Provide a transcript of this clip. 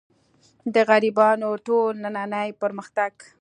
د غربیانو ټول نننۍ پرمختګ.